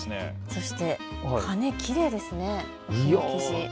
そして羽きれいですね。